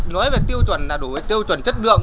nói về tiêu chuẩn là đủ tiêu chuẩn chất lượng